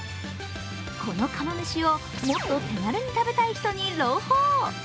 この釜めしをもっと手軽に食べたい人に朗報。